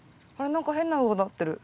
何か変なのがなってる。